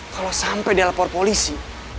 kalau sampai dia lapor polisi